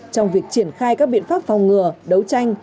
trong việc triển khai các biện pháp phòng ngừa đấu tranh